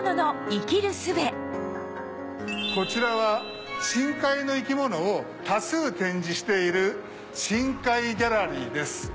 こちらは深海の生き物を多数展示している深海ギャラリーです。